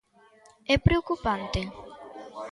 É preocupante?